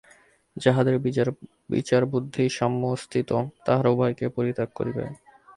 যাহাদের বিচারবুদ্ধি সাম্যে স্থিত, তাহারা উভয়কেই পরিত্যাগ করিবে।